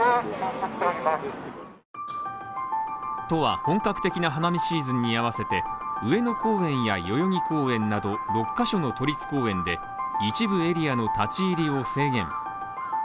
都は、本格的な花見シーズンに合わせて上野公園や代々木公園など６カ所の都立公園で一部エリアの立ち入りを制限。